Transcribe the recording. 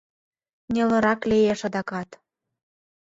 Нелырак лиеш адакат.